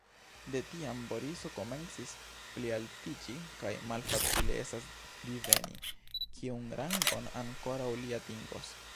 De tiam Boriso komencis plialtiĝi, kaj malfacile estas diveni, kiun rangon ankoraŭ li atingos.